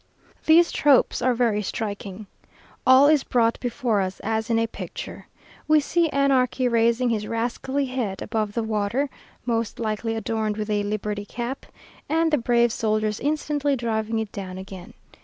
These tropes are very striking. All is brought before us as in a picture. We see anarchy raising his rascally head above the water (most likely adorned with a liberty cap), and the brave soldiers instantly driving it down again.